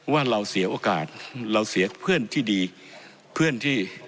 ว่าเราเสียโอกาสเราเสียเพื่อนที่ดีเพื่อนที่